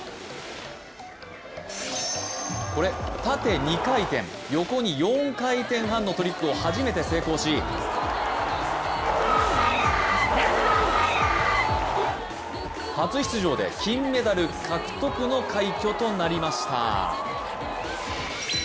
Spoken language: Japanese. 縦２回転、横に４回転半のトリックを初めて成功し初出場で金メダル獲得の快挙となりました。